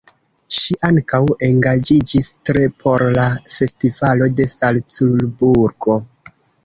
Ŝi ankaŭ engaĝiĝis tre por la Festivalo de Salcburgo.